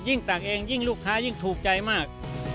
ตักเองยิ่งลูกค้ายิ่งถูกใจมาก